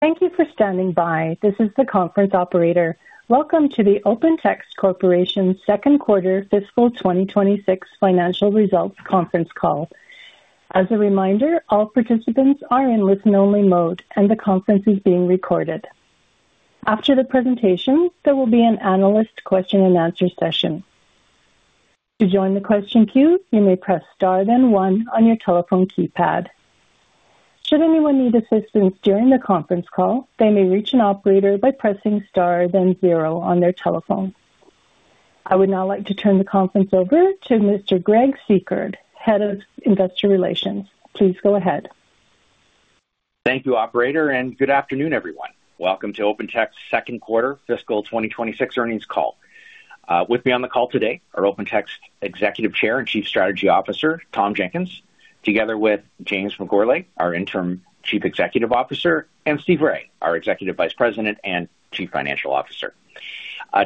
Thank you for standing by. This is the conference operator. Welcome to the OpenText Corporation second quarter fiscal 2026 financial results conference call. As a reminder, all participants are in listen-only mode, and the conference is being recorded. After the presentation, there will be an analyst question-and-answer session. To join the question queue, you may press star then 1 on your telephone keypad. Should anyone need assistance during the conference call, they may reach an operator by pressing star then 0 on their telephone. I would now like to turn the conference over to Mr. Greg Secord, head of investor relations. Please go ahead. Thank you, operator, and good afternoon, everyone. Welcome to OpenText second quarter fiscal 2026 earnings call. With me on the call today are OpenText Executive Chair and Chief Strategy Officer Tom Jenkins, together with James McGourlay, our Interim Chief Executive Officer, and Steve Rai, our Executive Vice President and Chief Financial Officer.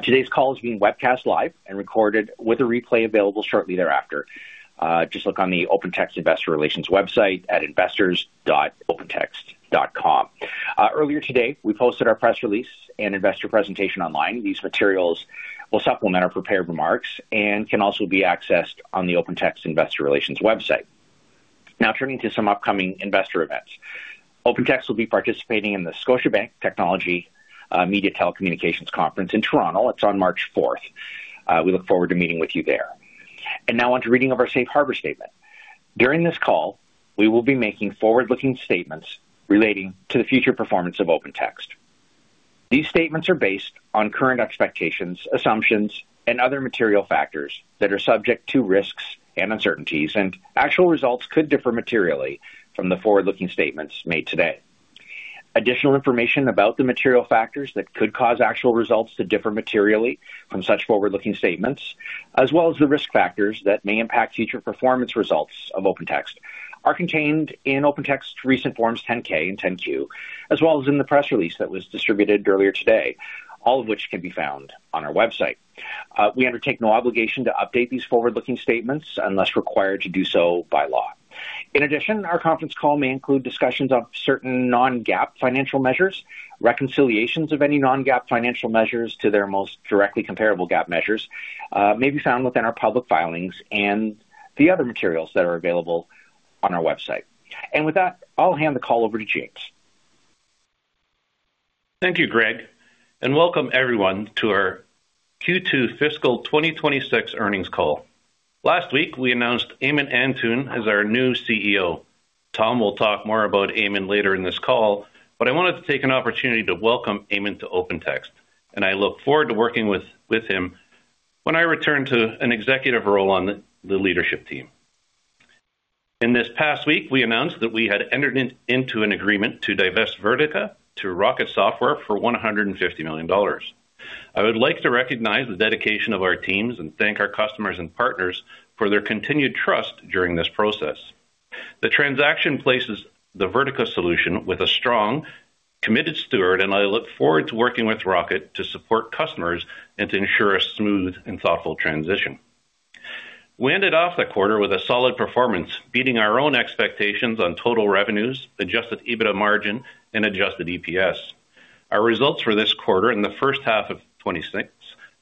Today's call is being webcast live and recorded with a replay available shortly thereafter. Just look on the OpenText investor relations website at investors.opentext.com. Earlier today, we posted our press release and investor presentation online. These materials will supplement our prepared remarks and can also be accessed on the OpenText investor relations website. Now turning to some upcoming investor events. OpenText will be participating in the Scotiabank Technology Media Telecommunications Conference in Toronto. It's on March 4th. We look forward to meeting with you there. Now onto reading of our safe harbor statement. During this call, we will be making forward-looking statements relating to the future performance of OpenText. These statements are based on current expectations, assumptions, and other material factors that are subject to risks and uncertainties, and actual results could differ materially from the forward-looking statements made today. Additional information about the material factors that could cause actual results to differ materially from such forward-looking statements, as well as the risk factors that may impact future performance results of OpenText, are contained in OpenText's recent Forms 10-K and 10-Q, as well as in the press release that was distributed earlier today, all of which can be found on our website. We undertake no obligation to update these forward-looking statements unless required to do so by law. In addition, our conference call may include discussions of certain non-GAAP financial measures. Reconciliations of any non-GAAP financial measures to their most directly comparable GAAP measures may be found within our public filings and the other materials that are available on our website. With that, I'll hand the call over to James. Thank you, Greg, and welcome everyone to our Q2 fiscal 2026 earnings call. Last week, we announced Ayman Antoun as our new CEO. Tom will talk more about Ayman later in this call, but I wanted to take an opportunity to welcome Ayman to OpenText, and I look forward to working with him when I return to an executive role on the leadership team. In this past week, we announced that we had entered into an agreement to divest Vertica to Rocket Software for $150,000,000. I would like to recognize the dedication of our teams and thank our customers and partners for their continued trust during this process. The transaction places the Vertica solution with a strong, committed steward, and I look forward to working with Rocket to support customers and to ensure a smooth and thoughtful transition. We ended off the quarter with a solid performance beating our own expectations on total revenues, Adjusted EBITDA margin, and adjusted EPS. Our results for this quarter in the first half of 2026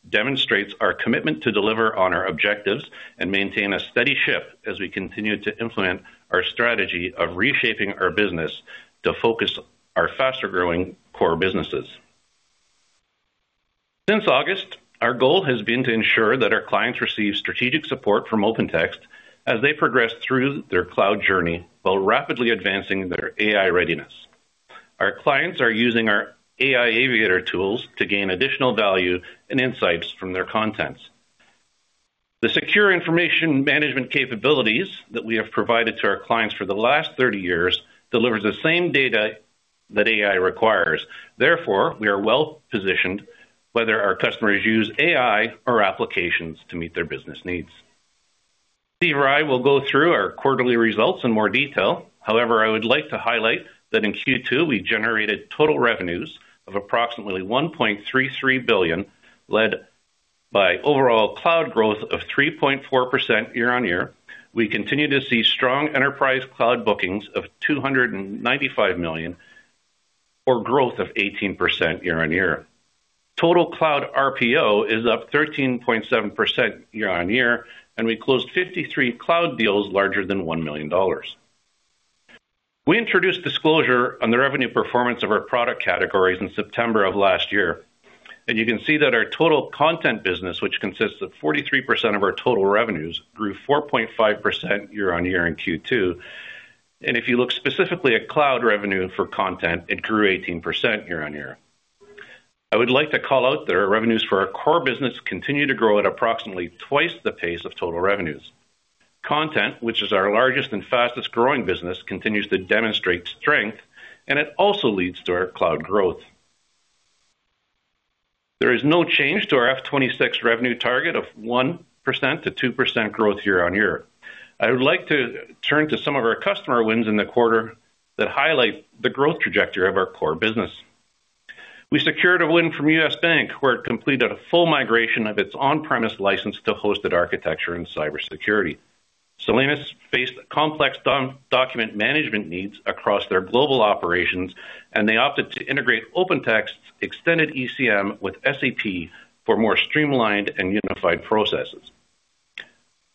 demonstrate our commitment to deliver on our objectives and maintain a steady ship as we continue to implement our strategy of reshaping our business to focus our faster-growing core businesses. Since August, our goal has been to ensure that our clients receive strategic support from OpenText as they progress through their cloud journey while rapidly advancing their AI readiness. Our clients are using our AI Aviator tools to gain additional value and insights from their contents. The secure information management capabilities that we have provided to our clients for the last 30 years deliver the same data that AI requires. Therefore, we are well-positioned whether our customers use AI or applications to meet their business needs. Steve Rai will go through our quarterly results in more detail. However, I would like to highlight that in Q2, we generated total revenues of approximately $1,330,000,000 led by overall cloud growth of 3.4% year-over-year. We continue to see strong enterprise cloud bookings of $295,000,000 or growth of 18% year-over-year. Total cloud RPO is up 13.7% year-over-year, and we closed 53 cloud deals larger than $1,000,000. We introduced disclosure on the revenue performance of our product categories in September of last year, and you can see that our total content business, which consists of 43% of our total revenues, grew 4.5% year-over-year in Q2. And if you look specifically at cloud revenue for content, it grew 18% year-over-year. I would like to call out that our revenues for our core business continue to grow at approximately twice the pace of total revenues. Content, which is our largest and fastest-growing business, continues to demonstrate strength, and it also leads to our cloud growth. There is no change to our F26 revenue target of 1%-2% growth year-over-year. I would like to turn to some of our customer wins in the quarter that highlight the growth trajectory of our core business. We secured a win from U.S. Bank where it completed a full migration of its on-premise license to hosted architecture and cybersecurity. Solenis faced complex document management needs across their global operations, and they opted to integrate OpenText's Extended ECM with SAP for more streamlined and unified processes.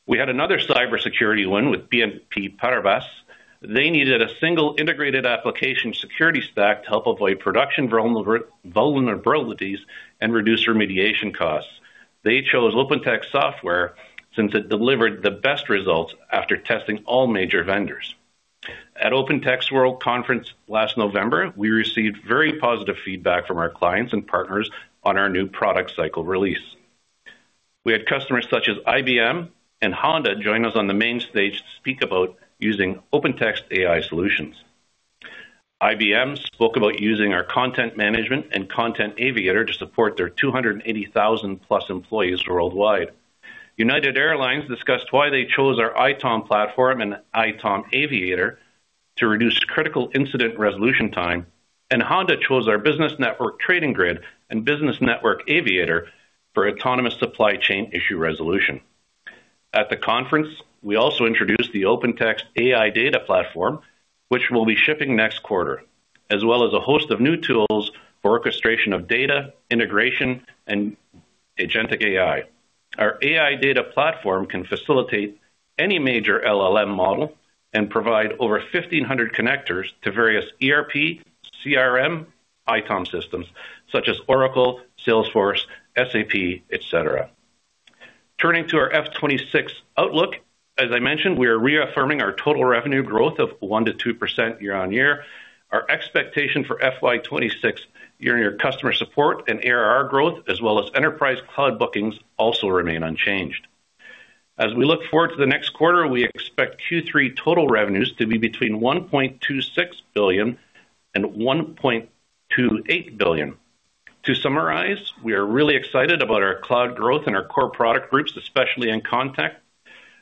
We had another cybersecurity win with BNP Paribas. They needed a single integrated application security stack to help avoid production vulnerabilities and reduce remediation costs. They chose OpenText since it delivered the best results after testing all major vendors. At OpenText World Conference last November, we received very positive feedback from our clients and partners on our new product cycle release. We had customers such as IBM and Honda join us on the main stage to speak about using OpenText AI solutions. IBM spoke about using our content management and Content Aviator to support their 280,000-plus employees worldwide. United Airlines discussed why they chose our ITOM platform and ITOM Aviator to reduce critical incident resolution time, and Honda chose our Business Network Trading Grid and Business Network Aviator for autonomous supply chain issue resolution. At the conference, we also introduced the OpenText AI Data Platform, which will be shipping next quarter, as well as a host of new tools for orchestration of data, integration, and agentic AI. Our AI Data Platform can facilitate any major LLM model and provide over 1,500 connectors to various ERP, CRM, ITOM systems such as Oracle, Salesforce, SAP, etc. Turning to our FY26 outlook, as I mentioned, we are reaffirming our total revenue growth of 1%-2% year-on-year. Our expectation for FY26 year-on-year customer support and ARR growth, as well as enterprise cloud bookings, also remain unchanged. As we look forward to the next quarter, we expect Q3 total revenues to be between $1,260,000,000 and $1,280,000,000. To summarize, we are really excited about our cloud growth in our core product groups, especially in Content,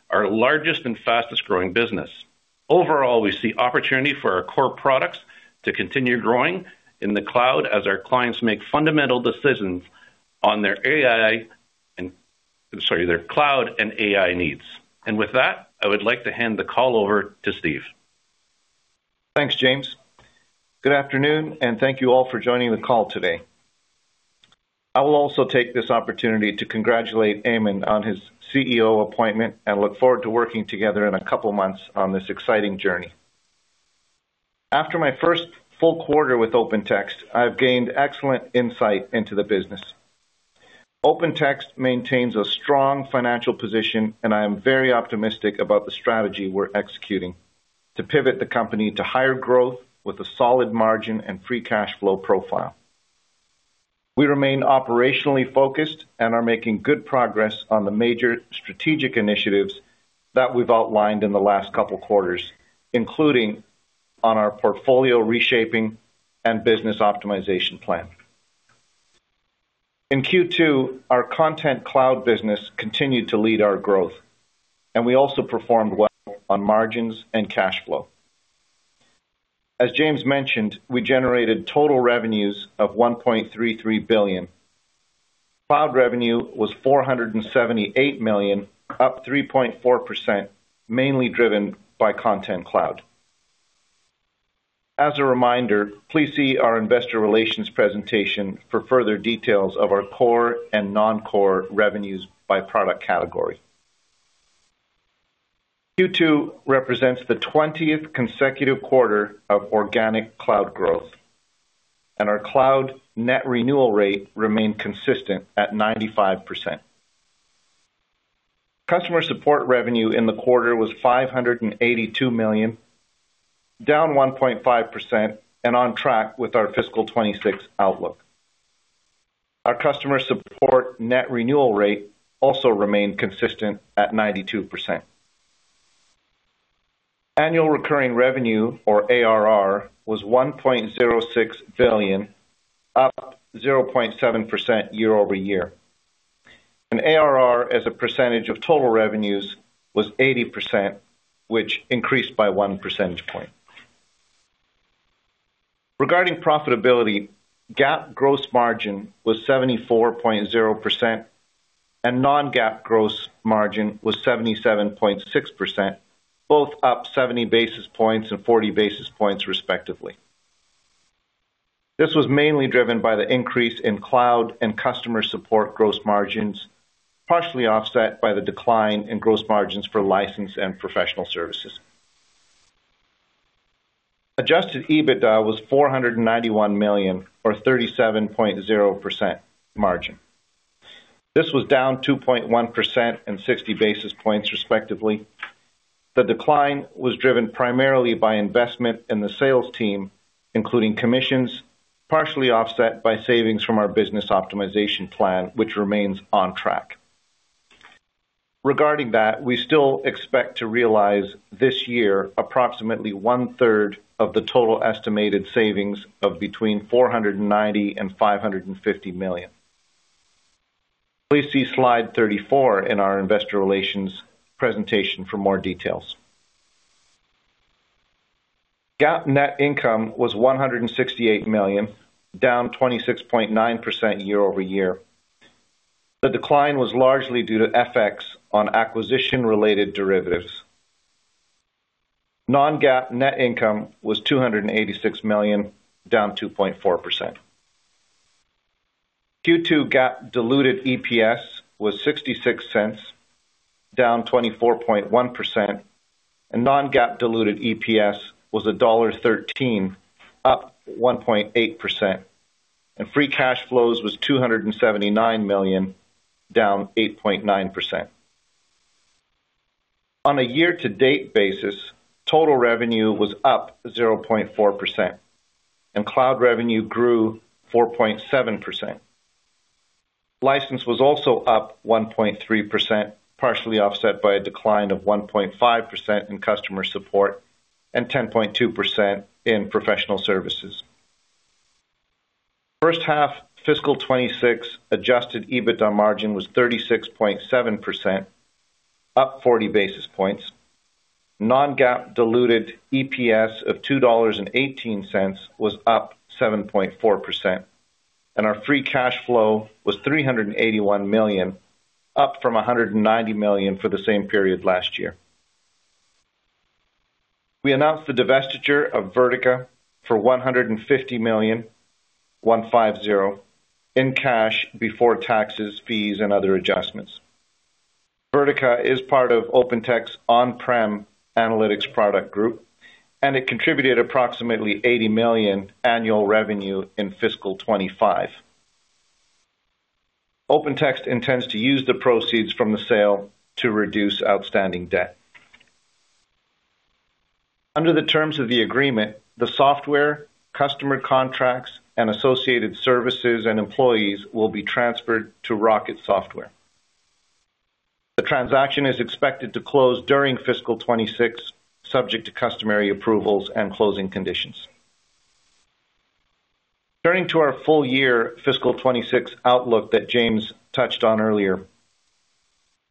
our largest and fastest-growing business. Overall, we see opportunity for our core products to continue growing in the cloud as our clients make fundamental decisions on their cloud and AI needs. With that, I would like to hand the call over to Steve. Thanks, James. Good afternoon, and thank you all for joining the call today. I will also take this opportunity to congratulate Ayman on his CEO appointment and look forward to working together in a couple of months on this exciting journey. After my first full quarter with OpenText, I've gained excellent insight into the business. OpenText maintains a strong financial position, and I am very optimistic about the strategy we're executing to pivot the company to higher growth with a solid margin and free cash flow profile. We remain operationally focused and are making good progress on the major strategic initiatives that we've outlined in the last couple of quarters, including on our portfolio reshaping and business optimization plan. In Q2, our content cloud business continued to lead our growth, and we also performed well on margins and cash flow. As James mentioned, we generated total revenues of $1,330,000,000. Cloud revenue was $478,000,000, up 3.4%, mainly driven by content cloud. As a reminder, please see our investor relations presentation for further details of our core and non-core revenues by product category. Q2 represents the 20th consecutive quarter of organic cloud growth, and our cloud net renewal rate remained consistent at 95%. Customer support revenue in the quarter was $582,000,000, down 1.5%, and on track with our fiscal 2026 outlook. Our customer support net renewal rate also remained consistent at 92%. Annual recurring revenue, or ARR, was $1,060,000,000, up 0.7% year-over-year. An ARR as a percentage of total revenues was 80%, which increased by one percentage point. Regarding profitability, GAAP gross margin was 74.0%, and non-GAAP gross margin was 77.6%, both up 70 basis points and 40 basis points, respectively. This was mainly driven by the increase in cloud and customer support gross margins, partially offset by the decline in gross margins for license and professional services. Adjusted EBITDA was $491,000,000, or 37.0% margin. This was down 2.1% and 60 basis points, respectively. The decline was driven primarily by investment in the sales team, including commissions, partially offset by savings from our business optimization plan, which remains on track. Regarding that, we still expect to realize this year approximately one-third of the total estimated savings of between $490,000,000-$550,000,000. Please see slide 34 in our investor relations presentation for more details. GAAP net income was $168,000,000, down 26.9% year over year. The decline was largely due to FX on acquisition-related derivatives. Non-GAAP net income was $286,000,000, down 2.4%. Q2 GAAP diluted EPS was $0.66, down 24.1%, and non-GAAP diluted EPS was $1.13, up 1.8%, and free cash flow was $279,000,000, down 8.9%. On a year-to-date basis, total revenue was up 0.4%, and cloud revenue grew 4.7%. License was also up 1.3%, partially offset by a decline of 1.5% in customer support and 10.2% in professional services. First half fiscal 2026 adjusted EBITDA margin was 36.7%, up 40 basis points. Non-GAAP diluted EPS of $2.18 was up 7.4%, and our free cash flow was $381,000,000, up from $190,000,000 for the same period last year. We announced the divestiture of Vertica for $150,000,000, in cash before taxes, fees, and other adjustments. Vertica is part of OpenText's on-prem analytics product group, and it contributed approximately $80,000,000 annual revenue in fiscal 2025. OpenText intends to use the proceeds from the sale to reduce outstanding debt. Under the terms of the agreement, the software, customer contracts, and associated services and employees will be transferred to Rocket Software. The transaction is expected to close during fiscal 2026, subject to customary approvals and closing conditions. Turning to our full-year fiscal 2026 outlook that James touched on earlier,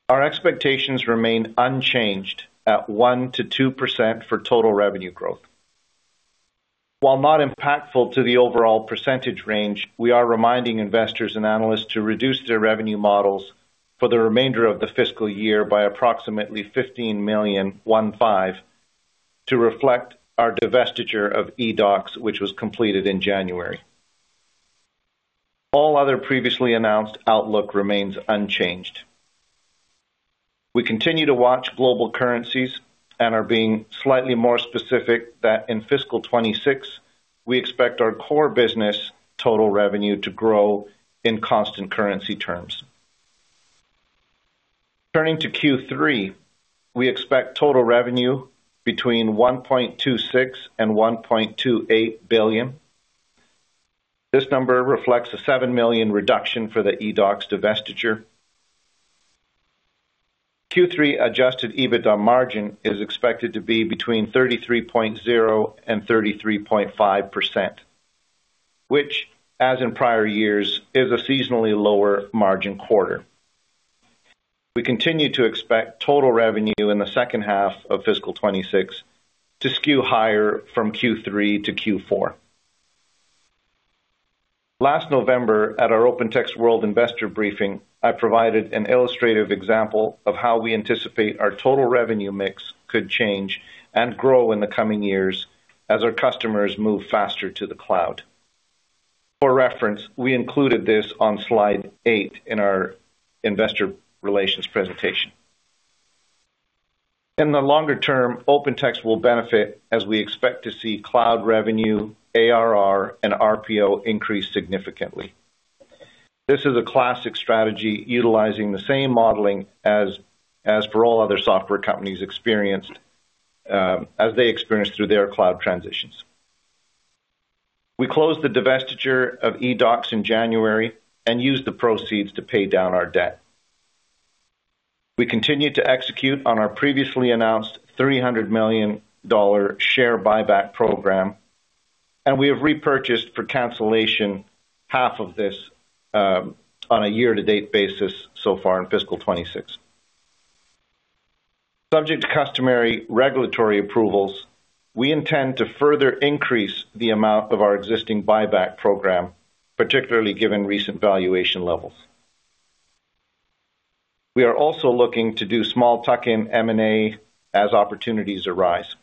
our expectations remain unchanged at 1%-2% for total revenue growth. While not impactful to the overall percentage range, we are reminding investors and analysts to reduce their revenue models for the remainder of the fiscal year by approximately $15,000,000 to reflect our divestiture of eDOCS, which was completed in January. All other previously announced outlook remains unchanged. We continue to watch global currencies and are being slightly more specific that in fiscal 2026, we expect our core business total revenue to grow in constant currency terms. Turning to Q3, we expect total revenue between $1,260,000,000 and $1,280,000,000. This number reflects a $7,000,000 reduction for the eDOCS divestiture. Q3 adjusted EBITDA margin is expected to be between 33.0% and 33.5%, which, as in prior years, is a seasonally lower margin quarter. We continue to expect total revenue in the second half of fiscal 2026 to skew higher from Q3 to Q4. Last November, at our OpenText World investor briefing, I provided an illustrative example of how we anticipate our total revenue mix could change and grow in the coming years as our customers move faster to the cloud. For reference, we included this on slide 8 in our investor relations presentation. In the longer term, OpenText will benefit as we expect to see cloud revenue, ARR, and RPO increase significantly. This is a classic strategy utilizing the same modeling as for all other software companies experienced as they experienced through their cloud transitions. We closed the divestiture of eDOCS in January and used the proceeds to pay down our debt. We continue to execute on our previously announced $300,000,000 share buyback program, and we have repurchased for cancellation half of this on a year-to-date basis so far in fiscal 2026. Subject to customary regulatory approvals, we intend to further increase the amount of our existing buyback program, particularly given recent valuation levels. We are also looking to do small tuck-in M&A as opportunities arise.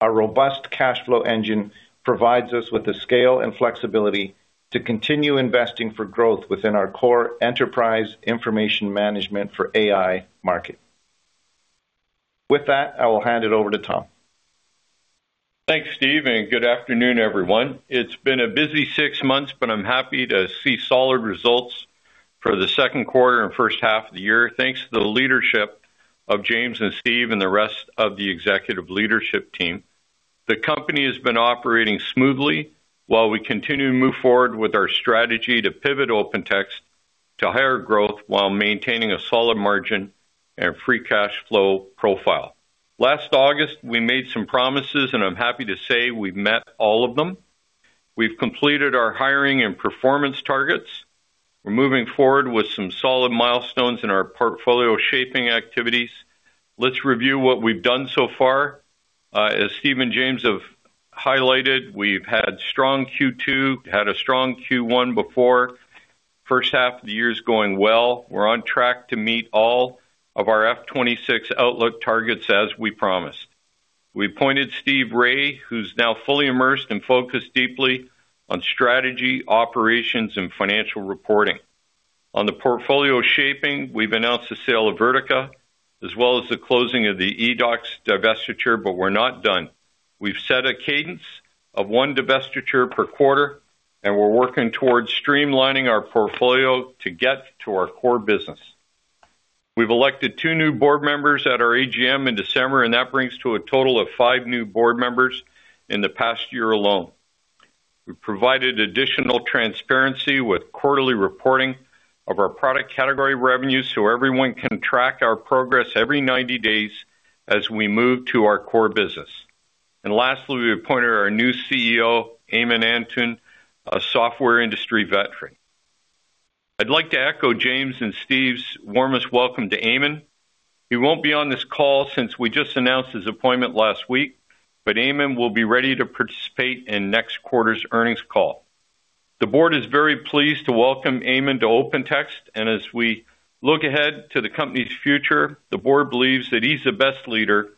Our robust cash flow engine provides us with the scale and flexibility to continue investing for growth within our core enterprise information management for AI market. With that, I will hand it over to Tom. Thanks, Steve, and good afternoon, everyone. It's been a busy six months, but I'm happy to see solid results for the second quarter and first half of the year. Thanks to the leadership of James and Steve and the rest of the executive leadership team. The company has been operating smoothly while we continue to move forward with our strategy to pivot OpenText to higher growth while maintaining a solid margin and free cash flow profile. Last August, we made some promises, and I'm happy to say we met all of them. We've completed our hiring and performance targets. We're moving forward with some solid milestones in our portfolio shaping activities. Let's review what we've done so far. As Steve and James have highlighted, we've had strong Q2, had a strong Q1 before. First half of the year is going well. We're on track to meet all of our F26 outlook targets as we promised. We appointed Steve Rai, who's now fully immersed and focused deeply on strategy, operations, and financial reporting. On the portfolio shaping, we've announced the sale of Vertica as well as the closing of the eDOCS divestiture, but we're not done. We've set a cadence of one divestiture per quarter, and we're working towards streamlining our portfolio to get to our core business. We've elected two new board members at our AGM in December, and that brings to a total of five new board members in the past year alone. We provided additional transparency with quarterly reporting of our product category revenues so everyone can track our progress every 90 days as we move to our core business. Lastly, we appointed our new CEO, Ayman Antoun, a software industry veteran. I'd like to echo James and Steve's warmest welcome to Ayman. He won't be on this call since we just announced his appointment last week, but Ayman will be ready to participate in next quarter's earnings call. The board is very pleased to welcome Ayman to OpenText, and as we look ahead to the company's future, the board believes that he's the best leader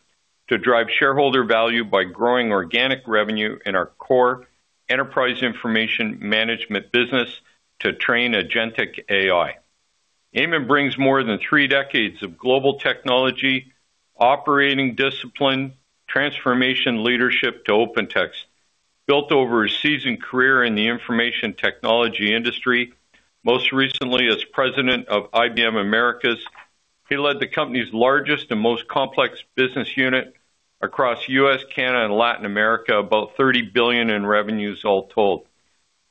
to drive shareholder value by growing organic revenue in our core enterprise information management business to train agentic AI. Ayman brings more than three decades of global technology, operating discipline, transformation leadership to OpenText. Built over a seasoned career in the information technology industry, most recently as president of IBM Americas, he led the company's largest and most complex business unit across U.S., Canada, and Latin America, about $30,000,000,000 in revenues all told.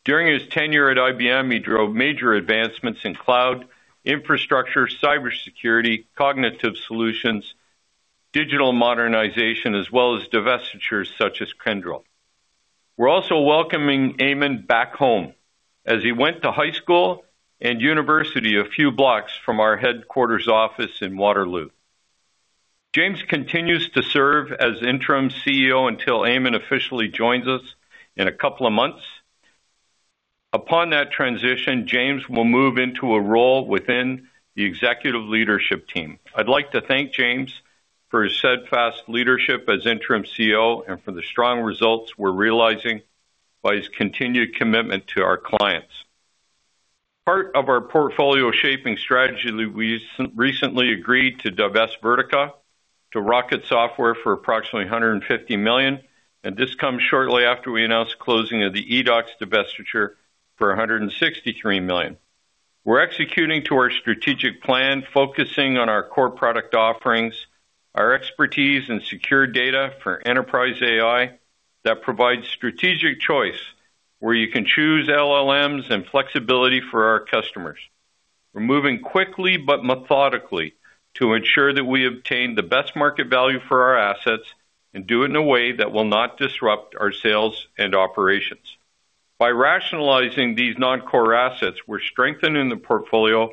During his tenure at IBM, he drove major advancements in cloud, infrastructure, cybersecurity, cognitive solutions, digital modernization, as well as divestitures such as Kyndryl. We're also welcoming Ayman back home as he went to high school and university a few blocks from our headquarters office in Waterloo. James continues to serve as Interim CEO until Ayman officially joins us in a couple of months. Upon that transition, James will move into a role within the executive leadership team. I'd like to thank James for his steadfast leadership as Interim CEO and for the strong results we're realizing by his continued commitment to our clients. Part of our portfolio shaping strategy, we recently agreed to divest Vertica to Rocket Software for approximately $150,000,000, and this comes shortly after we announced closing of the eDOCS divestiture for $163,000,000. We're executing to our strategic plan, focusing on our core product offerings, our expertise, and secure data for enterprise AI that provides strategic choice where you can choose LLMs and flexibility for our customers. We're moving quickly but methodically to ensure that we obtain the best market value for our assets and do it in a way that will not disrupt our sales and operations. By rationalizing these non-core assets, we're strengthening the portfolio,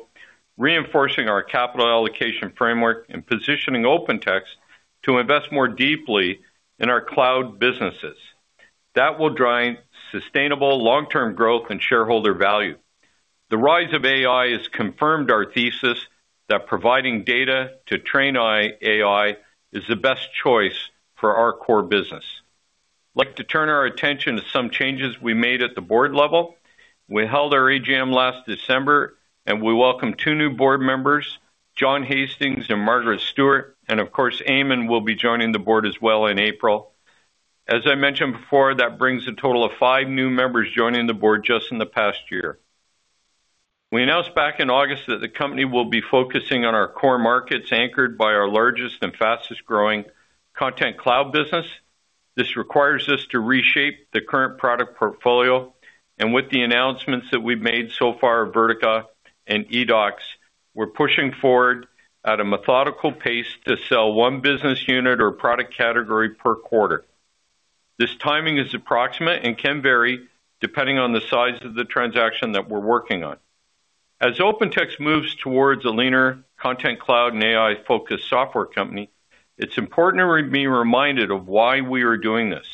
reinforcing our capital allocation framework, and positioning OpenText to invest more deeply in our cloud businesses. That will drive sustainable long-term growth and shareholder value. The rise of AI has confirmed our thesis that providing data to train AI is the best choice for our core business. I'd like to turn our attention to some changes we made at the board level. We held our AGM last December, and we welcome two new board members, John Hastings and Margaret Stuart, and of course, Ayman will be joining the board as well in April. As I mentioned before, that brings a total of five new members joining the board just in the past year. We announced back in August that the company will be focusing on our core markets anchored by our largest and fastest growing content cloud business. This requires us to reshape the current product portfolio, and with the announcements that we've made so far of Vertica and eDOCS, we're pushing forward at a methodical pace to sell one business unit or product category per quarter. This timing is approximate and can vary depending on the size of the transaction that we're working on. As OpenText moves towards a leaner content cloud and AI-focused software company, it's important to be reminded of why we are doing this.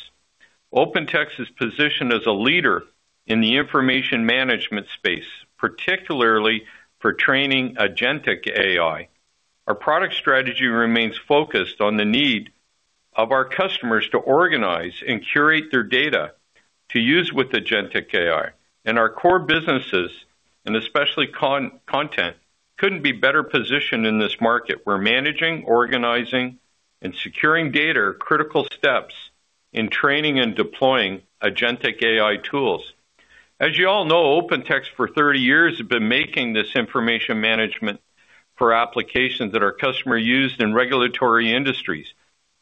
OpenText is positioned as a leader in the information management space, particularly for training agentic AI. Our product strategy remains focused on the need of our customers to organize and curate their data to use with agentic AI. Our core businesses, and especially content, couldn't be better positioned in this market. We're managing, organizing, and securing data are critical steps in training and deploying agentic AI tools. As you all know, OpenText for 30 years has been making this information management for applications that our customer used in regulatory industries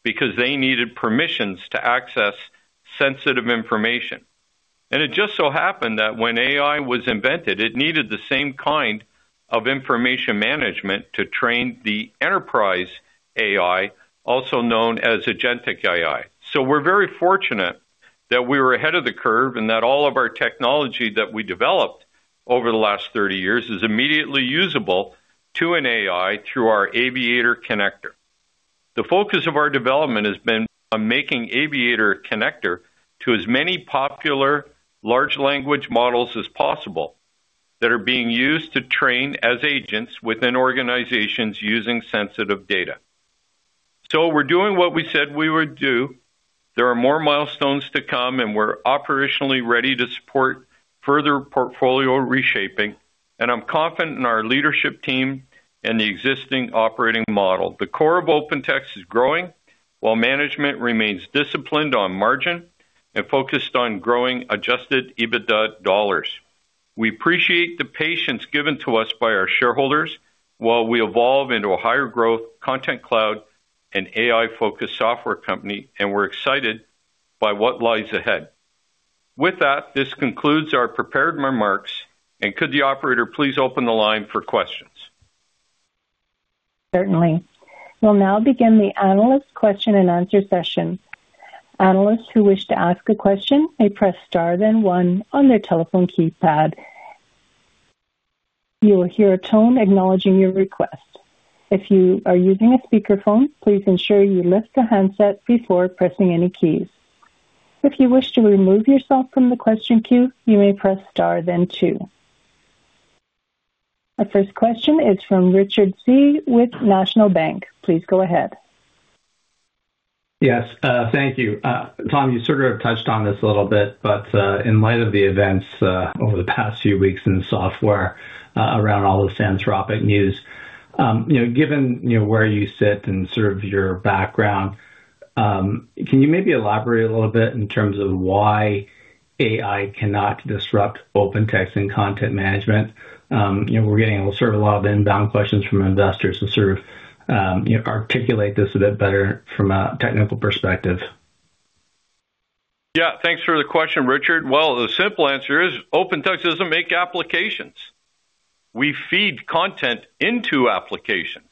because they needed permissions to access sensitive information. It just so happened that when AI was invented, it needed the same kind of information management to train the enterprise AI, also known as agentic AI. So we're very fortunate that we were ahead of the curve and that all of our technology that we developed over the last 30 years is immediately usable to an AI through our Aviator Connector. The focus of our development has been on making Aviator Connector to as many popular large language models as possible that are being used to train as agents within organizations using sensitive data. So we're doing what we said we would do. There are more milestones to come, and we're operationally ready to support further portfolio reshaping. And I'm confident in our leadership team and the existing operating model. The core of OpenText is growing while management remains disciplined on margin and focused on growing Adjusted EBITDA dollars. We appreciate the patience given to us by our shareholders while we evolve into a higher growth content cloud and AI-focused software company, and we're excited by what lies ahead. With that, this concludes our prepared remarks, and could the operator please open the line for questions? Certainly. We'll now begin the analyst question and answer session. Analysts who wish to ask a question, may press star then one on their telephone keypad. You will hear a tone acknowledging your request. If you are using a speakerphone, please ensure you lift the handset before pressing any keys. If you wish to remove yourself from the question queue, you may press star then two. Our first question is from Richard Tse with National Bank. Please go ahead. Yes. Thank you. Tom, you sort of touched on this a little bit, but in light of the events over the past few weeks in the software around all this Anthropic news, given where you sit and sort of your background, can you maybe elaborate a little bit in terms of why AI cannot disrupt OpenText and content management? We're getting sort of a lot of inbound questions from investors to sort of articulate this a bit better from a technical perspective. Yeah. Thanks for the question, Richard. Well, the simple answer is OpenText doesn't make applications. We feed content into applications.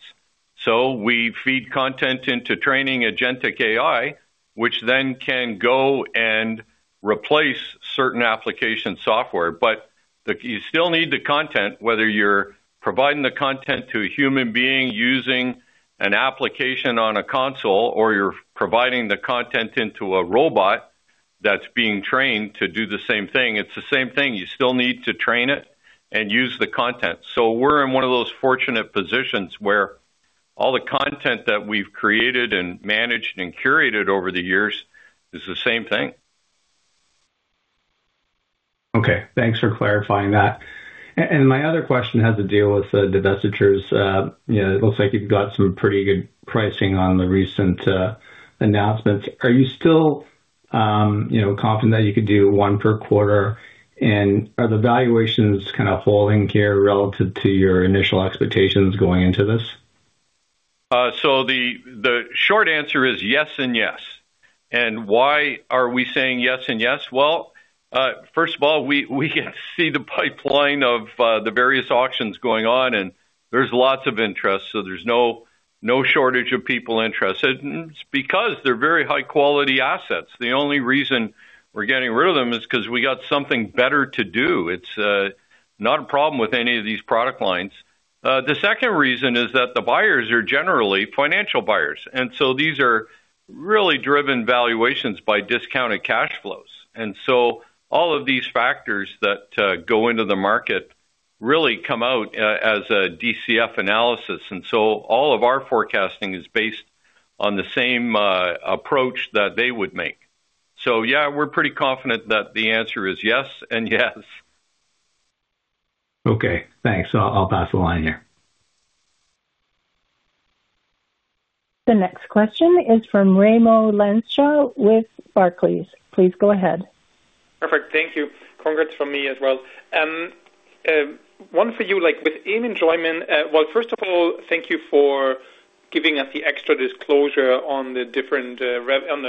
So we feed content into training agentic AI, which then can go and replace certain application software. But you still need the content, whether you're providing the content to a human being using an application on a console or you're providing the content into a robot that's being trained to do the same thing. It's the same thing. You still need to train it and use the content. So we're in one of those fortunate positions where all the content that we've created and managed and curated over the years is the same thing. Okay. Thanks for clarifying that. My other question has to deal with the divestitures. It looks like you've got some pretty good pricing on the recent announcements. Are you still confident that you could do one per quarter, and are the valuations kind of holding here relative to your initial expectations going into this? So the short answer is yes and yes. And why are we saying yes and yes? Well, first of all, we can see the pipeline of the various auctions going on, and there's lots of interest. So there's no shortage of people interested. It's because they're very high-quality assets. The only reason we're getting rid of them is because we got something better to do. It's not a problem with any of these product lines. The second reason is that the buyers are generally financial buyers. And so these are really driven valuations by discounted cash flows. And so all of these factors that go into the market really come out as a DCF analysis. And so all of our forecasting is based on the same approach that they would make. So yeah, we're pretty confident that the answer is yes and yes. Okay. Thanks. I'll pass the line here. The next question is from Raimo Lenschow with Barclays. Please go ahead. Perfect. Thank you. Congrats from me as well. One for you. With Ayman Antoun, well, first of all, thank you for giving us the extra disclosure on the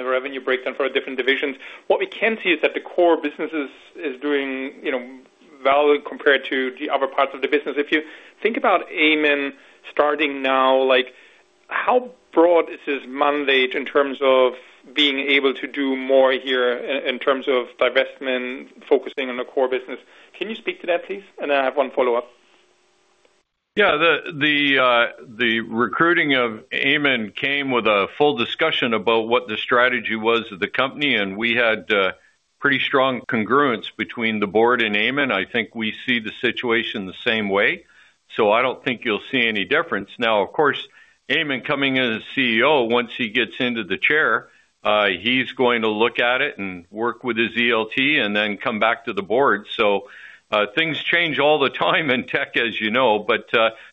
revenue breakdown for the different divisions. What we can see is that the core business is doing well compared to the other parts of the business. If you think about Ayman starting now, how broad is his mandate in terms of being able to do more here in terms of divestment focusing on the core business? Can you speak to that, please? And then I have one follow-up. Yeah. The recruiting of Ayman came with a full discussion about what the strategy was of the company, and we had pretty strong congruence between the board and Ayman. I think we see the situation the same way. So I don't think you'll see any difference. Now, of course, Ayman coming in as CEO, once he gets into the chair, he's going to look at it and work with his ELT and then come back to the board. So things change all the time in tech, as you know. But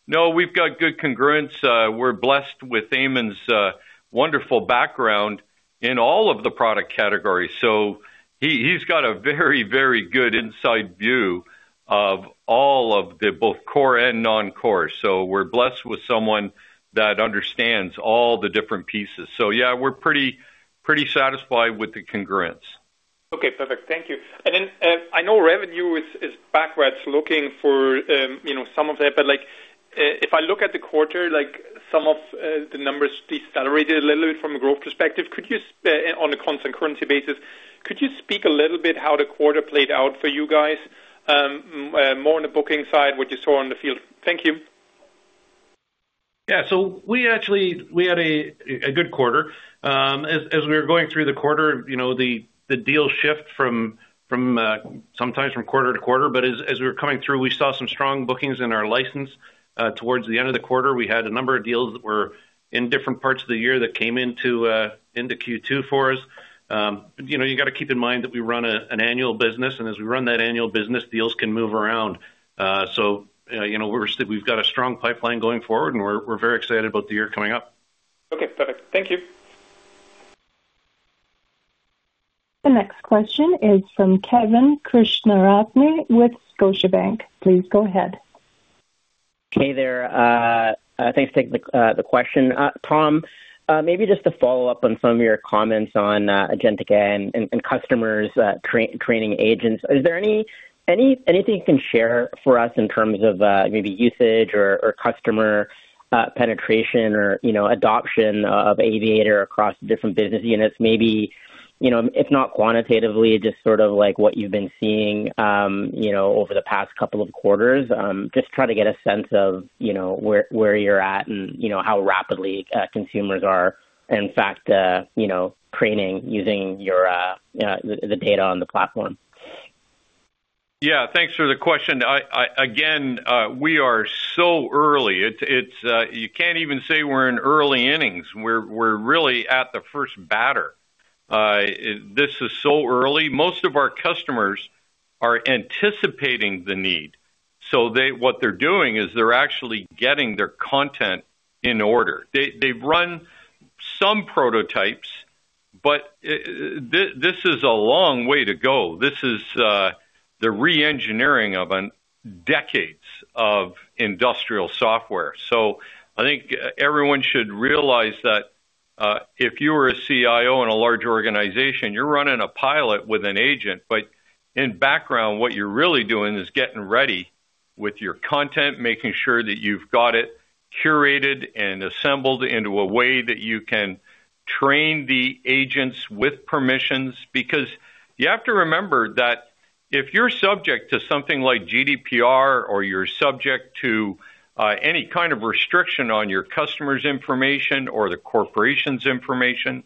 no, we've got good congruence. We're blessed with Ayman's wonderful background in all of the product categories. So he's got a very, very good inside view of all of the both core and non-core. So we're blessed with someone that understands all the different pieces. So yeah, we're pretty satisfied with the congruence. Okay. Perfect. Thank you. And then I know revenue is backwards looking for some of that, but if I look at the quarter, some of the numbers decelerated a little bit from a growth perspective. On a constant currency basis, could you speak a little bit how the quarter played out for you guys more on the booking side, what you saw on the field? Thank you. Yeah. So we had a good quarter. As we were going through the quarter, the deals shift sometimes from quarter to quarter, but as we were coming through, we saw some strong bookings in our license. Towards the end of the quarter, we had a number of deals that were in different parts of the year that came into Q2 for us. You got to keep in mind that we run an annual business, and as we run that annual business, deals can move around. So we've got a strong pipeline going forward, and we're very excited about the year coming up. Okay. Perfect. Thank you. The next question is from Kevin Krishnaratne with Scotiabank. Please go ahead. Hey there. Thanks for taking the question. Tom, maybe just to follow up on some of your comments on agentic AI and customers training agents. Is there anything you can share for us in terms of maybe usage or customer penetration or adoption of Aviator across the different business units? Maybe if not quantitatively, just sort of what you've been seeing over the past couple of quarters. Just try to get a sense of where you're at and how rapidly customers are, in fact, training using the data on the platform. Yeah. Thanks for the question. Again, we are so early. You can't even say we're in early innings. We're really at the first batter. This is so early. Most of our customers are anticipating the need. So what they're doing is they're actually getting their content in order. They've run some prototypes, but this is a long way to go. This is the re-engineering of decades of industrial software. So I think everyone should realize that if you were a CIO in a large organization, you're running a pilot with an agent, but in background, what you're really doing is getting ready with your content, making sure that you've got it curated and assembled into a way that you can train the agents with permissions. Because you have to remember that if you're subject to something like GDPR or you're subject to any kind of restriction on your customer's information or the corporation's information,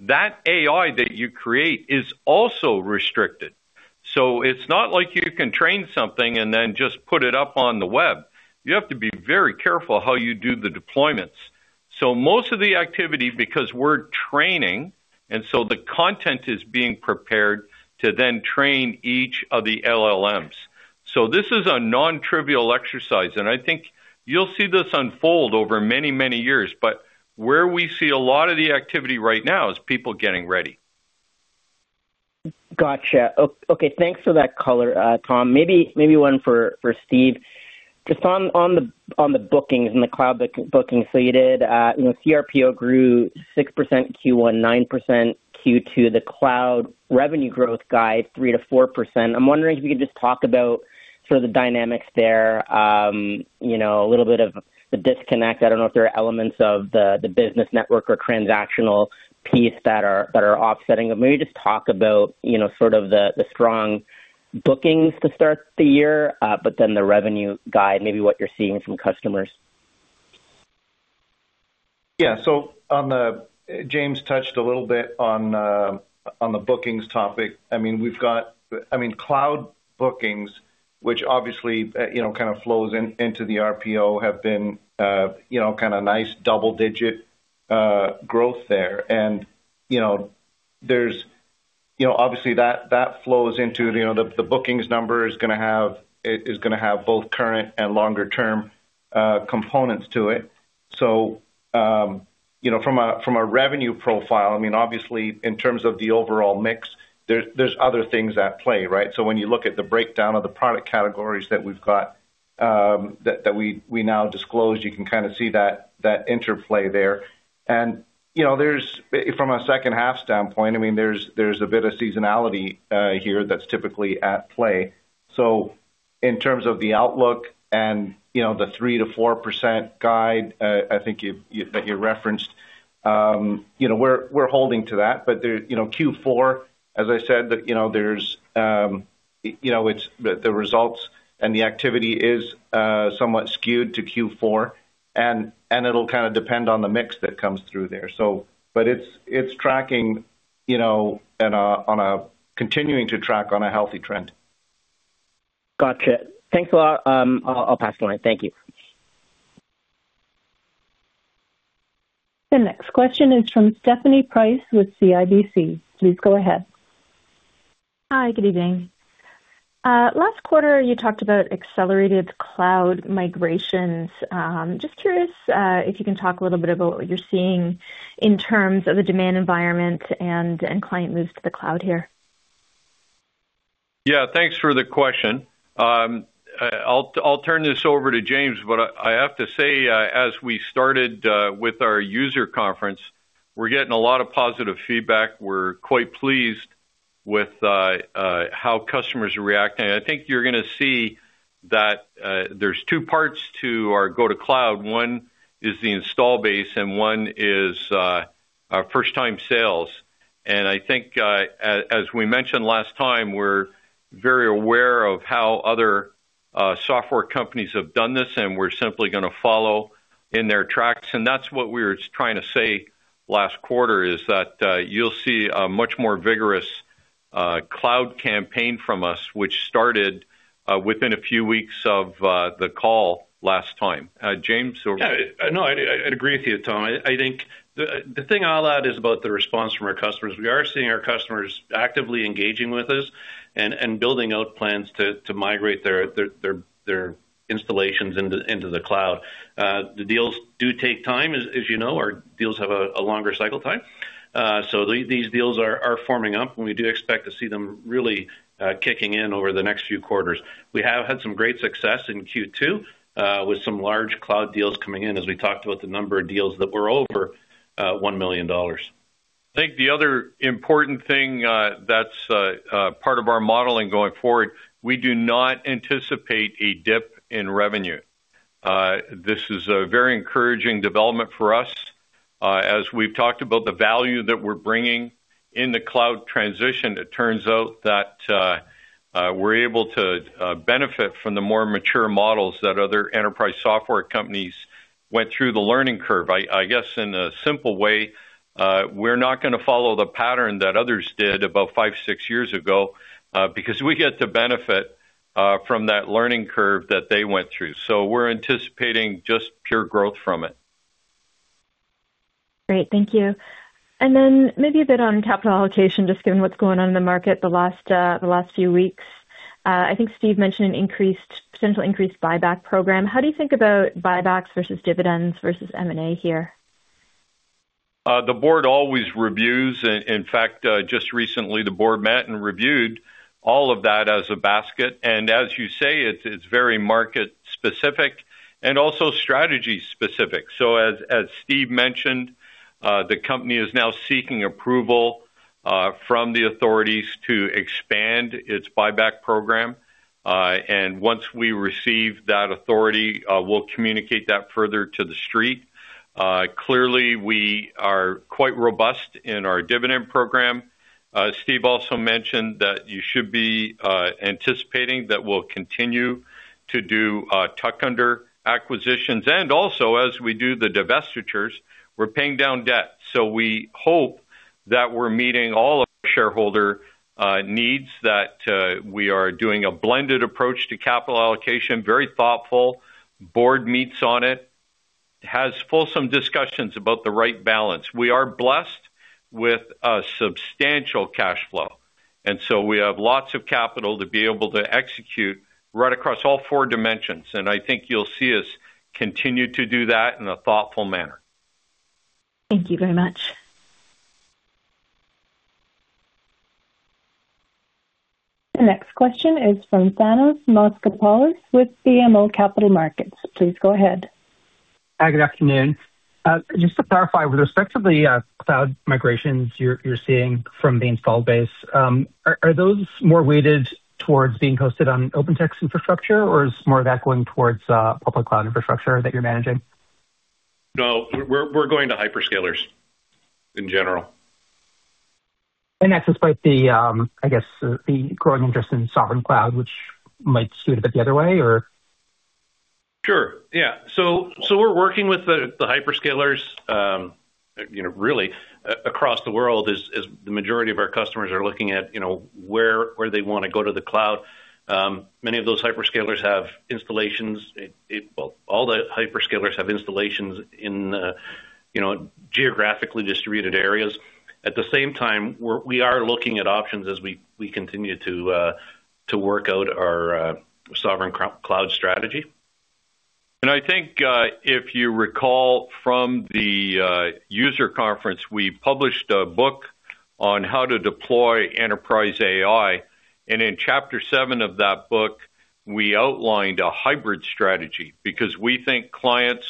that AI that you create is also restricted. So it's not like you can train something and then just put it up on the web. You have to be very careful how you do the deployments. So most of the activity, because we're training, and so the content is being prepared to then train each of the LLMs. So this is a non-trivial exercise, and I think you'll see this unfold over many, many years. But where we see a lot of the activity right now is people getting ready. Gotcha. Okay. Thanks for that color, Tom. Maybe one for Steve. Just on the bookings and the cloud bookings, so you did CRPO grew 6% Q1, 9% Q2. The cloud revenue growth guide, 3%-4%. I'm wondering if you could just talk about sort of the dynamics there, a little bit of the disconnect. I don't know if there are elements of the business network or transactional piece that are offsetting. But maybe just talk about sort of the strong bookings to start the year, but then the revenue guide, maybe what you're seeing from customers. Yeah. So James touched a little bit on the bookings topic. I mean, we've got—I mean, cloud bookings, which obviously kind of flows into the RPO, have been kind of nice double-digit growth there. And there's obviously that flows into the bookings number is going to have both current and longer-term components to it. So from a revenue profile, I mean, obviously, in terms of the overall mix, there's other things at play, right? So when you look at the breakdown of the product categories that we've got that we now disclose, you can kind of see that interplay there. And from a second-half standpoint, I mean, there's a bit of seasonality here that's typically at play. So in terms of the outlook and the 3%-4% guide I think that you referenced, we're holding to that. But Q4, as I said, there's the results and the activity is somewhat skewed to Q4, and it'll kind of depend on the mix that comes through there. But it's tracking and continuing to track on a healthy trend. Gotcha. Thanks a lot. I'll pass the line. Thank you. The next question is from Stephanie Price with CIBC. Please go ahead. Hi. Good evening. Last quarter, you talked about accelerated cloud migrations. Just curious if you can talk a little bit about what you're seeing in terms of the demand environment and client moves to the cloud here? Yeah. Thanks for the question. I'll turn this over to James, but I have to say, as we started with our user conference, we're getting a lot of positive feedback. We're quite pleased with how customers are reacting. I think you're going to see that there's two parts to our go-to-cloud. One is the install base, and one is first-time sales. And I think, as we mentioned last time, we're very aware of how other software companies have done this, and we're simply going to follow in their tracks. And that's what we were trying to say last quarter, is that you'll see a much more vigorous cloud campaign from us, which started within a few weeks of the call last time. James? Yeah. No, I'd agree with you, Tom. I think the thing I'll add is about the response from our customers. We are seeing our customers actively engaging with us and building out plans to migrate their installations into the cloud. The deals do take time, as you know. Our deals have a longer cycle time. So these deals are forming up, and we do expect to see them really kicking in over the next few quarters. We have had some great success in Q2 with some large cloud deals coming in, as we talked about the number of deals that were over $1,000,000. I think the other important thing that's part of our modeling going forward, we do not anticipate a dip in revenue. This is a very encouraging development for us. As we've talked about the value that we're bringing in the cloud transition, it turns out that we're able to benefit from the more mature models that other enterprise software companies went through the learning curve. I guess, in a simple way, we're not going to follow the pattern that others did about five, six years ago because we get to benefit from that learning curve that they went through. So we're anticipating just pure growth from it. Great. Thank you. And then maybe a bit on capital allocation, just given what's going on in the market the last few weeks. I think Steve mentioned an increased potential increased buyback program. How do you think about buybacks versus dividends versus M&A here? The board always reviews. In fact, just recently, the board met and reviewed all of that as a basket. As you say, it's very market-specific and also strategy-specific. As Steve mentioned, the company is now seeking approval from the authorities to expand its buyback program. Once we receive that authority, we'll communicate that further to the street. Clearly, we are quite robust in our dividend program. Steve also mentioned that you should be anticipating that we'll continue to do tuck-under acquisitions. Also, as we do the divestitures, we're paying down debt. We hope that we're meeting all of our shareholder needs, that we are doing a blended approach to capital allocation, very thoughtful, board meets on it, has fulsome discussions about the right balance. We are blessed with substantial cash flow. And so we have lots of capital to be able to execute right across all four dimensions. And I think you'll see us continue to do that in a thoughtful manner. Thank you very much. The next question is from Thanos Moschopoulos with BMO Capital Markets. Please go ahead. Hi. Good afternoon. Just to clarify, with respect to the cloud migrations you're seeing from the installed base, are those more weighted towards being hosted on OpenText infrastructure, or is more of that going towards public cloud infrastructure that you're managing? No. We're going to hyperscalers, in general. That's despite the, I guess, growing interest in sovereign cloud, which might suit a bit the other way, or? Sure. Yeah. So we're working with the hyperscalers, really, across the world, as the majority of our customers are looking at where they want to go to the cloud. Many of those hyperscalers have installations. Well, all the hyperscalers have installations in geographically distributed areas. At the same time, we are looking at options as we continue to work out our sovereign cloud strategy. I think if you recall from the user conference, we published a book on how to deploy enterprise AI. In chapter 7 of that book, we outlined a hybrid strategy because we think clients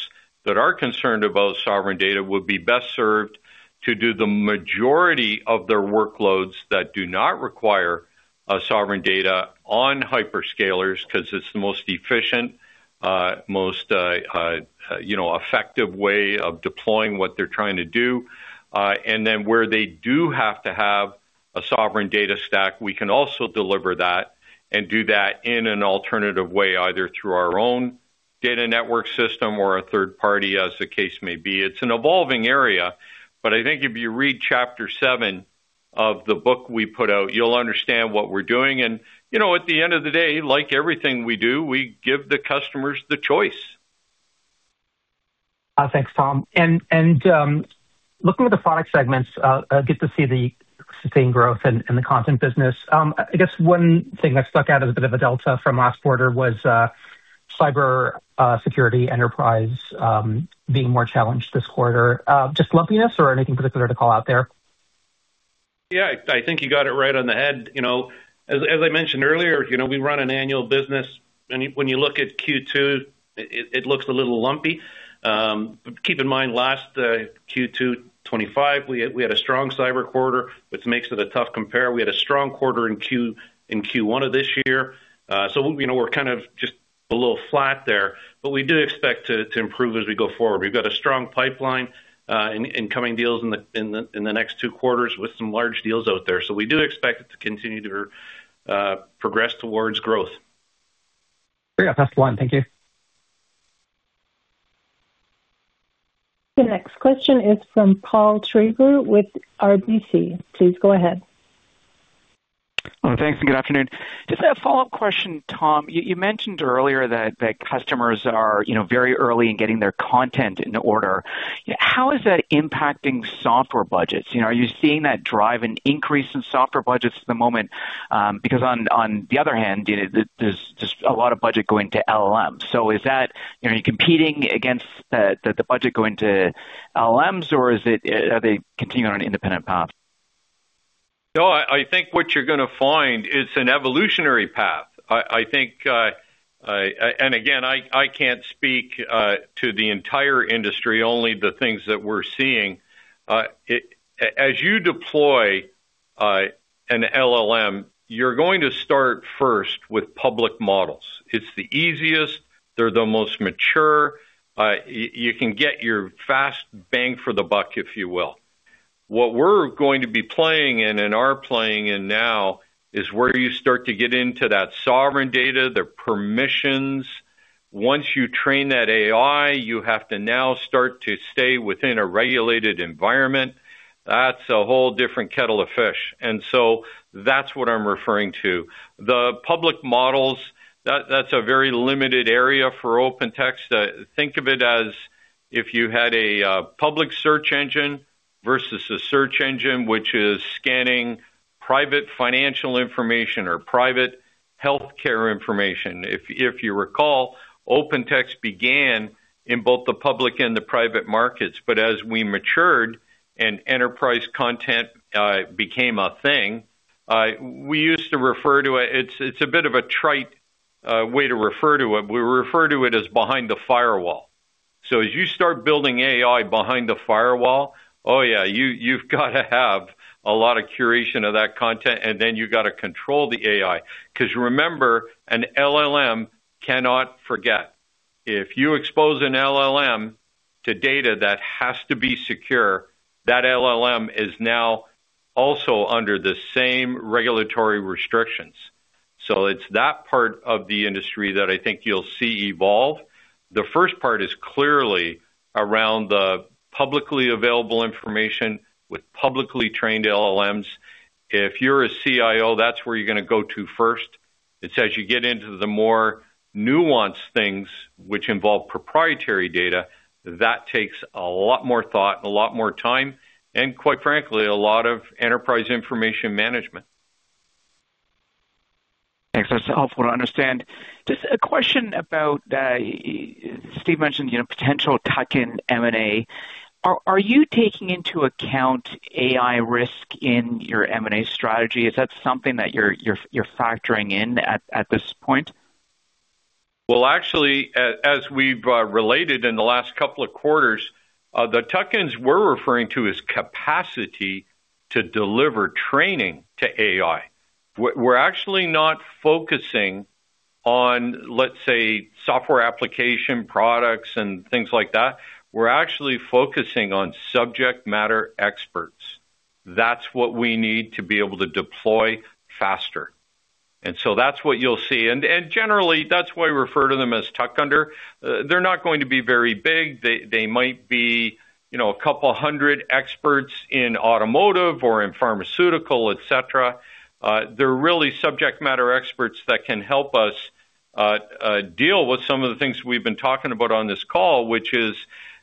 that are concerned about sovereign data would be best served to do the majority of their workloads that do not require sovereign data on hyperscalers because it's the most efficient, most effective way of deploying what they're trying to do. Then where they do have to have a sovereign data stack, we can also deliver that and do that in an alternative way, either through our own data network system or a third party, as the case may be. It's an evolving area. I think if you read chapter 7 of the book we put out, you'll understand what we're doing. At the end of the day, like everything we do, we give the customers the choice. Thanks, Tom. Looking at the product segments, I get to see the sustained growth in the content business. I guess one thing that stuck out as a bit of a delta from last quarter was cybersecurity enterprise being more challenged this quarter. Just lumpiness or anything particular to call out there? Yeah. I think you got it right on the head. As I mentioned earlier, we run an annual business. When you look at Q2, it looks a little lumpy. Keep in mind, last Q2 2025, we had a strong cyber quarter, which makes it a tough compare. We had a strong quarter in Q1 of this year. So we're kind of just a little flat there. But we do expect to improve as we go forward. We've got a strong pipeline and coming deals in the next two quarters with some large deals out there. So we do expect it to continue to progress towards growth. Great. I'll pass the line. Thank you. The next question is from Paul Treiber with RBC. Please go ahead. Thanks. Good afternoon. Just a follow-up question, Tom. You mentioned earlier that customers are very early in getting their content in order. How is that impacting software budgets? Are you seeing that drive an increase in software budgets at the moment? Because on the other hand, there's a lot of budget going to LLMs. So is that competing against the budget going to LLMs, or are they continuing on an independent path? No. I think what you're going to find is an evolutionary path. And again, I can't speak to the entire industry, only the things that we're seeing. As you deploy an LLM, you're going to start first with public models. It's the easiest. They're the most mature. You can get your fast bang for the buck, if you will. What we're going to be playing in and are playing in now is where you start to get into that sovereign data, the permissions. Once you train that AI, you have to now start to stay within a regulated environment. That's a whole different kettle of fish. And so that's what I'm referring to. The public models, that's a very limited area for OpenText. Think of it as if you had a public search engine versus a search engine, which is scanning private financial information or private healthcare information. If you recall, OpenText began in both the public and the private markets. But as we matured and enterprise content became a thing, we used to refer to it; it's a bit of a trite way to refer to it. We refer to it as behind the firewall. So as you start building AI behind the firewall, oh yeah, you've got to have a lot of curation of that content, and then you've got to control the AI. Because remember, an LLM cannot forget. If you expose an LLM to data that has to be secure, that LLM is now also under the same regulatory restrictions. So it's that part of the industry that I think you'll see evolve. The first part is clearly around the publicly available information with publicly trained LLMs. If you're a CIO, that's where you're going to go to first. It's as you get into the more nuanced things, which involve proprietary data, that takes a lot more thought and a lot more time and, quite frankly, a lot of enterprise information management. Thanks. That's helpful to understand. Just a question about Steve mentioned potential tuck-in M&A. Are you taking into account AI risk in your M&A strategy? Is that something that you're factoring in at this point? Well, actually, as we've related in the last couple of quarters, the tuck-ins we're referring to is capacity to deliver training to AI. We're actually not focusing on, let's say, software application products and things like that. We're actually focusing on subject matter experts. That's what we need to be able to deploy faster. And so that's what you'll see. And generally, that's why we refer to them as tuck-under. They're not going to be very big. They might be a couple hundred experts in automotive or in pharmaceutical, etc. They're really subject matter experts that can help us deal with some of the things we've been talking about on this call, which is,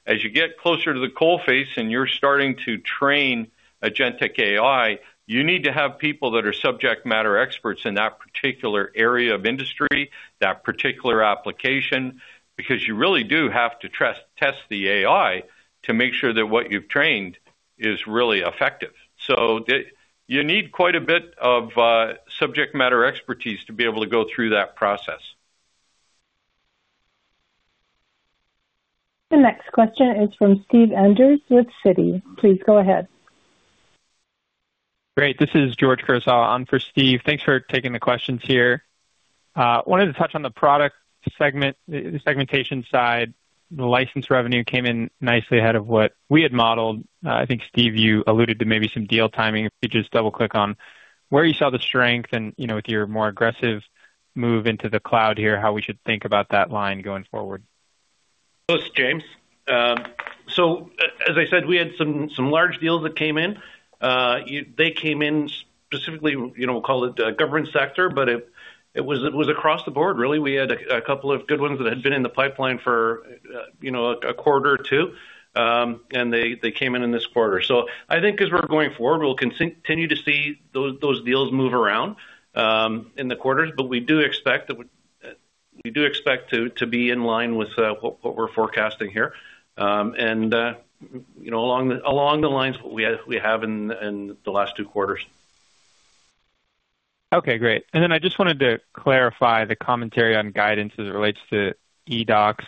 as you get closer to the coalface and you're starting to train agentic AI, you need to have people that are subject matter experts in that particular area of industry, that particular application, because you really do have to test the AI to make sure that what you've trained is really effective. So you need quite a bit of subject matter expertise to be able to go through that process. The next question is from Steven Enders with Citi. Please go ahead. Great. This is George Kurosawa on for Steve. Thanks for taking the questions here. Wanted to touch on the product segmentation side. The license revenue came in nicely ahead of what we had modeled. I think, Steve, you alluded to maybe some deal timing. If you could just double-click on where you saw the strength and with your more aggressive move into the cloud here, how we should think about that line going forward. Thanks, James. As I said, we had some large deals that came in. They came in specifically, we'll call it the government sector, but it was across the board, really. We had a couple of good ones that had been in the pipeline for a quarter or two, and they came in in this quarter. I think as we're going forward, we'll continue to see those deals move around in the quarters. But we do expect to be in line with what we're forecasting here and along the lines of what we have in the last two quarters. Okay. Great. And then I just wanted to clarify the commentary on guidance as it relates to eDOCS.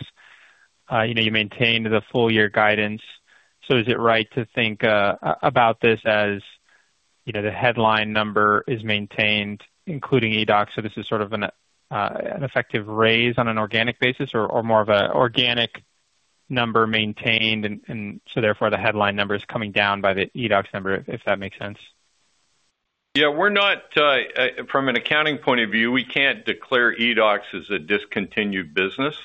You maintained the full-year guidance. So is it right to think about this as the headline number is maintained, including eDOCS? So this is sort of an effective raise on an organic basis or more of an organic number maintained, and so therefore the headline number is coming down by the eDOCS number, if that makes sense? Yeah. From an accounting point of view, we can't declare eDOCS as a discontinued business.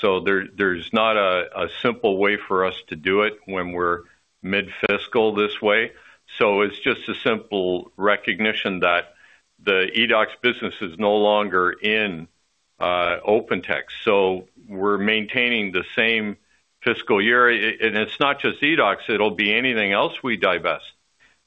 So there's not a simple way for us to do it when we're mid-fiscal this way. So it's just a simple recognition that the eDOCS business is no longer in OpenText. So we're maintaining the same fiscal year. And it's not just eDOCS. It'll be anything else we divest.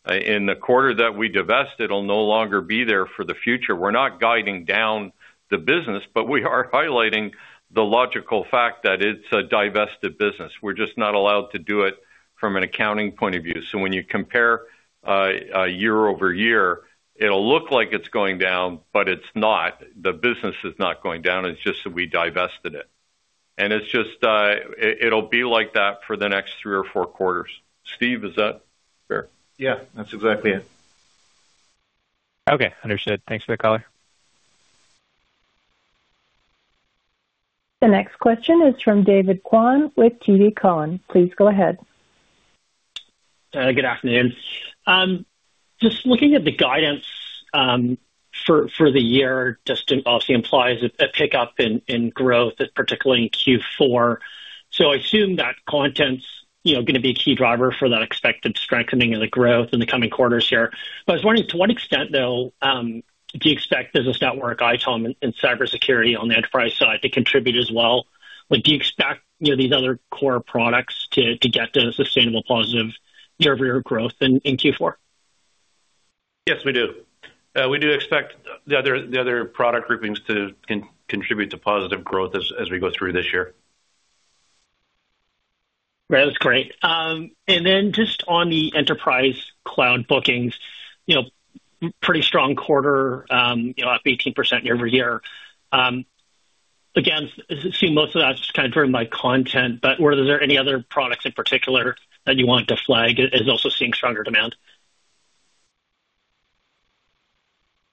In the quarter that we divest, it'll no longer be there for the future. We're not guiding down the business, but we are highlighting the logical fact that it's a divested business. We're just not allowed to do it from an accounting point of view. So when you compare year-over-year, it'll look like it's going down, but it's not. The business is not going down. It's just that we divested it. And it'll be like that for the next three or four quarters. Steve, is that fair? Yeah. That's exactly it. Okay. Understood. Thanks for the color. The next question is from David Kwan with TD Cowen. Please go ahead. Good afternoon. Just looking at the guidance for the year, just obviously implies a pickup in growth, particularly in Q4. So I assume that content's going to be a key driver for that expected strengthening of the growth in the coming quarters here. But I was wondering, to what extent, though, do you expect Business Network, ITOM, and cybersecurity on the enterprise side to contribute as well? Do you expect these other core products to get to sustainable, positive year-over-year growth in Q4? Yes, we do. We do expect the other product groupings to contribute to positive growth as we go through this year. Great. That's great. And then just on the enterprise cloud bookings, pretty strong quarter, up 18% year-over-year. Again, I assume most of that's just kind of driven by content. But is there any other products in particular that you want to flag as also seeing stronger demand?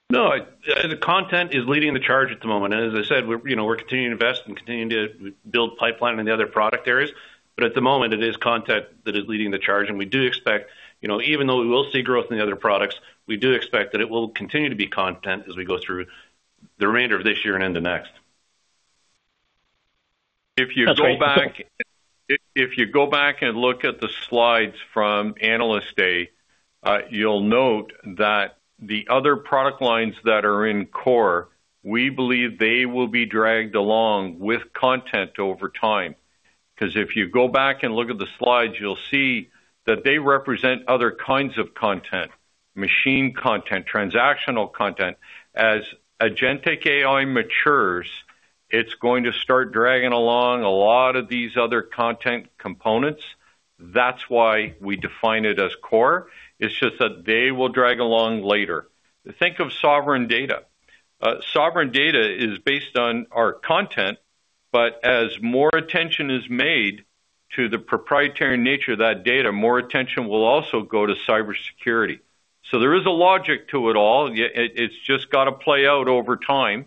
No. The content is leading the charge at the moment. And as I said, we're continuing to invest and continuing to build pipeline in the other product areas. But at the moment, it is content that is leading the charge. And we do expect, even though we will see growth in the other products, we do expect that it will continue to be content as we go through the remainder of this year and into next. If you go back and look at the slides from analyst day, you'll note that the other product lines that are in core, we believe they will be dragged along with content over time. Because if you go back and look at the slides, you'll see that they represent other kinds of content, machine content, transactional content. As agentic AI matures, it's going to start dragging along a lot of these other content components. That's why we define it as core. It's just that they will drag along later. Think of sovereign data. Sovereign data is based on our content. But as more attention is made to the proprietary nature of that data, more attention will also go to cybersecurity. So there is a logic to it all. It's just got to play out over time.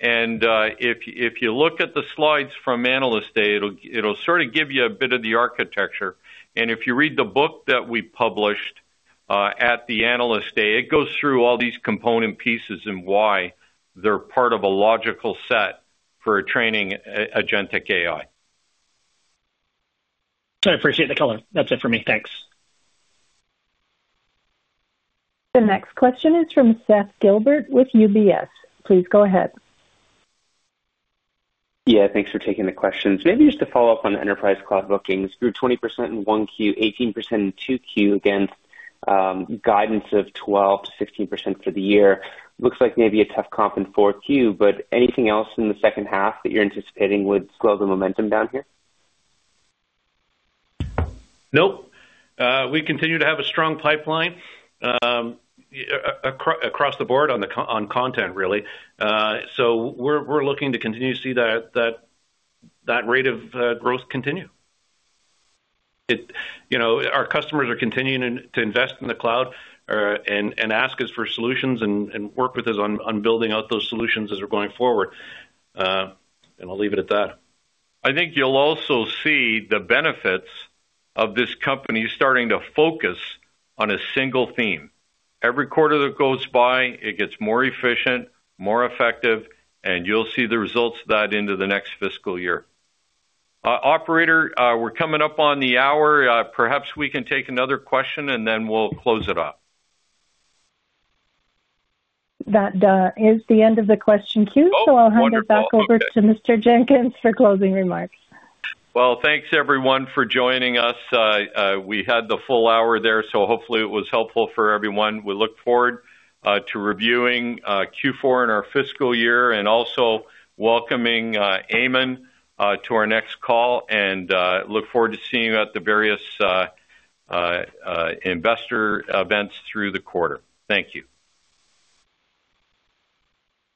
And if you look at the slides from analyst day, it'll sort of give you a bit of the architecture. And if you read the book that we published at the analyst day, it goes through all these component pieces and why they're part of a logical set for training agentic AI. I appreciate the color. That's it for me. Thanks. The next question is from Karl Keirstead with UBS. Please go ahead. Yeah. Thanks for taking the questions. Maybe just to follow up on the enterprise cloud bookings, you're 20% in Q1, 18% in Q2 against guidance of 12%-16% for the year. Looks like maybe a tough comp in Q4. But anything else in the second half that you're anticipating would slow the momentum down here? Nope. We continue to have a strong pipeline across the board on content, really. So we're looking to continue to see that rate of growth continue. Our customers are continuing to invest in the cloud and ask us for solutions and work with us on building out those solutions as we're going forward. And I'll leave it at that. I think you'll also see the benefits of this company starting to focus on a single theme. Every quarter that goes by, it gets more efficient, more effective, and you'll see the results of that into the next fiscal year. Operator, we're coming up on the hour. Perhaps we can take another question, and then we'll close it off. That is the end of the question queue. So I'll hand it back over to Mr. Jenkins for closing remarks. Well, thanks, everyone, for joining us. We had the full hour there, so hopefully, it was helpful for everyone. We look forward to reviewing Q4 in our fiscal year and also welcoming Ayman to our next call. And look forward to seeing you at the various investor events through the quarter. Thank you.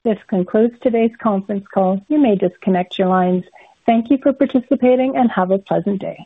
This concludes today's conference call. You may disconnect your lines. Thank you for participating, and have a pleasant day.